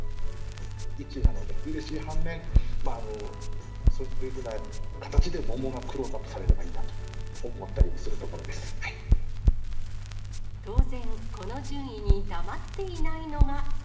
１位なので、うれしい反面、そういった形で桃がクローズアップされればいいなと思ったりもす当然、この順位に黙っていないのが。